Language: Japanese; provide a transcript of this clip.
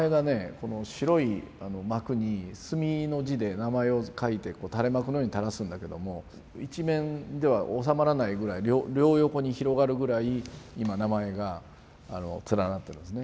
この白い幕に墨の字で名前を書いて垂れ幕のように垂らすんだけども一面ではおさまらないぐらい両横に広がるぐらい今名前が連なってますね。